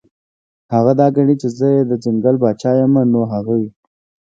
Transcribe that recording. هغه دا ګڼي چې زۀ د ځنګل باچا يمه نو هغه وي -